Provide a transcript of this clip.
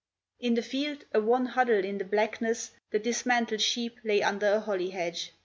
In the field, a wan huddle in the blackness, the dismantled sheep lay under a holly hedge.